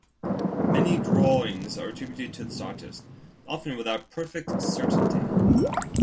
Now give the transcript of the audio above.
Many drawings are attributed to this artist, often without perfect certainty.